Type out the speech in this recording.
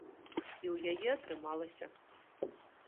І ў яе атрымалася.